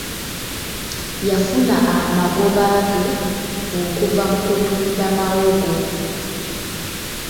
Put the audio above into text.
Yafuna amagoba ge okuva mu kutunda mawogo.